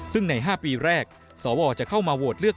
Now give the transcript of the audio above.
ซึ่งใน๕ปีแรกสวจะเข้ามาโหวตเลือก